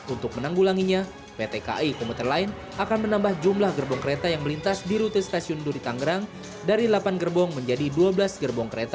untuk menanggulanginya pt kai komuter line akan menambah jumlah gerbong kereta yang melintas di rute stasiun duri tangerang dari delapan gerbong menjadi dua belas gerbong kereta